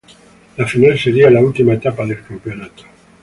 La final sería la última etapa del campeonato.